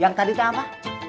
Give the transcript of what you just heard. yang tadi tuh apa